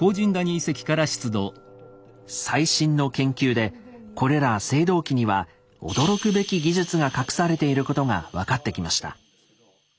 最新の研究でこれら青銅器には驚くべき技術が隠されていることが分かってきました。